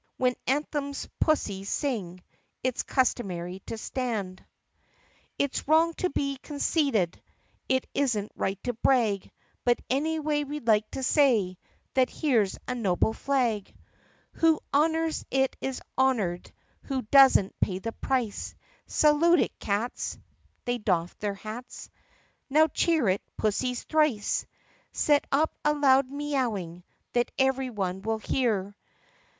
( When anthems pussies sing It 's customary to stand.) THE PUSSYCAT PRINCESS in CHORUS It 's wrong to be conceited, It is n't right to brag, But anyway we 'd like to say That here 's a noble flag ! Who honors it is honored, Who does n't pays the price ! Salute it, cats! (They doff their hats.) Now cheer it, pussies, thrice! Set up a loud mee owing That every one will hear